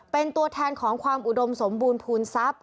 เป็นตัวแทนของความอุดมสมบูรณภูมิทรัพย์